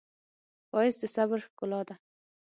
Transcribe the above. ښایست د صبر ښکلا ده